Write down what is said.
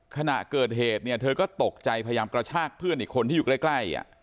ขณะเกิดเหตุเนี่ยเธอก็ตกใจพยายามกระชากเพื่อนอีกคนที่อยู่ใกล้